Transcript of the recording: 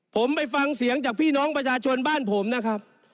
ผมไปฟังเสียงจากพี่น้องประชาชนบ้านผมนะครับ